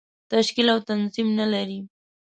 تشکیل او تنظیم نه لري.